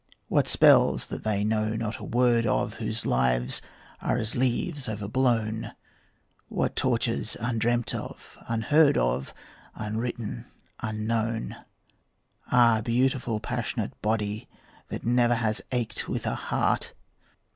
What spells that they know not a word of Whose lives are as leaves overblown? What tortures undreamt of, unheard of, Unwritten, unknown? Ah beautiful passionate body That never has ached with a heart!